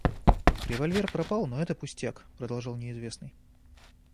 Револьвер пропал, но это пустяк, - продолжал неизвестный.